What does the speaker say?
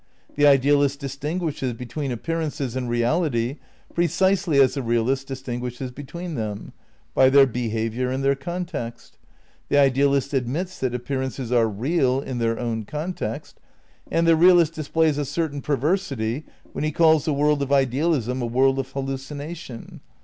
The idealist distinguishes between ap pearances and reality precisely as the realist distin guishes between them: by their behaviour and their context. The idealist admits that appearances are "real" in their own context; and the realist displays a certain perversity when he calls the world of idealism a world of hallucination.